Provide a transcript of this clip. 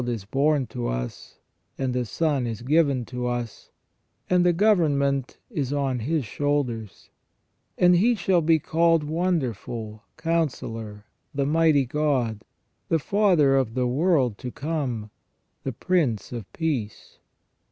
305 is bom to us, and a Son is given to us, and the government is on His shoulders : and He shall be called Wonderful, Councillor, the Mighty God, the Father of the world to come, the Prince of Peace